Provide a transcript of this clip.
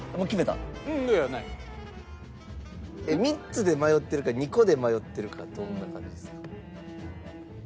３つで迷ってるか２個で迷ってるかどんな感じですか？